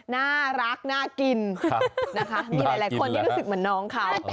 น่ารักน่ากินนะคะมีหลายคนที่รู้สึกเหมือนน้องเขา